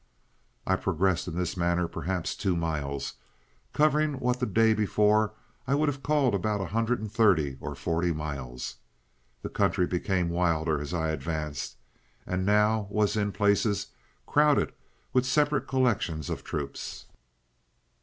"I progressed in this manner perhaps two miles, covering what the day before I would have called about a hundred and thirty or forty miles. The country became wilder as I advanced, and now was in places crowded with separate collections of troops.